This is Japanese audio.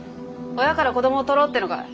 親から子どもを取ろうってのかい？